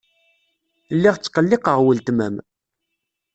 Lliɣ ttqelliqeɣ weltma.